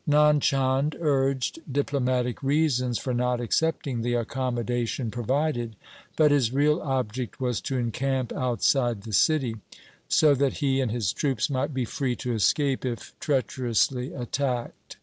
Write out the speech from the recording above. Nand Chand urged diplo matic reasons for not accepting the accommodation provided, but his real object was to encamp outside the city, so that he and his troops might be free to escape if treacherously attacked.